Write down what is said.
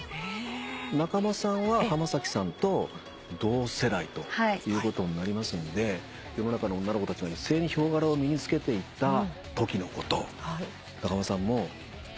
仲間さんは浜崎さんと同世代ということになりますんで世の中の女の子たちが一斉にヒョウ柄を身に着けていたときのこと仲間さんも体感してました？